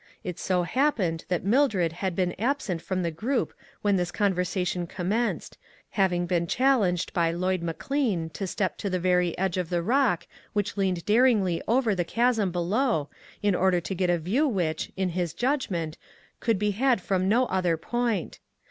It so hap pened that Mildred had been absent from the group when this conversation com menced, having been challenged by Lloyd McLean to step to the very edge of the rock which leaned daringly over the chasm below, in order to get a view which, in his judgment, could be had from no other point.